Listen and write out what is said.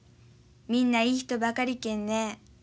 みんないい人ばかりけんね。